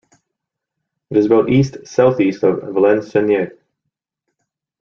It is about east-southeast of Valenciennes.